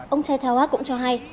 ông chaitanwat cũng cho hay